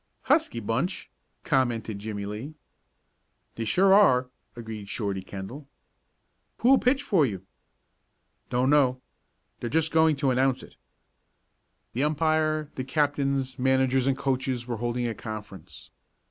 "Husky bunch," commented Jimmie Lee. "They sure are," agreed Shorty Kendall. "Who'll pitch for you?" "Don't know. They're just going to announce it." The umpire, the captains, managers, and coaches were holding a conference.